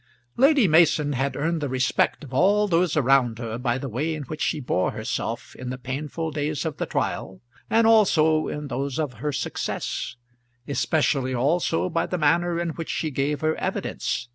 Lady Mason had earned the respect of all those around her by the way in which she bore herself in the painful days of the trial, and also in those of her success, especially also by the manner in which she gave her evidence.